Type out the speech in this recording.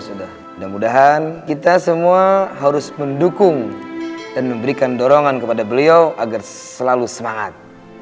sudah mudah mudahan kita semua harus mendukung dan memberikan dorongan kepada beliau agar selalu semangat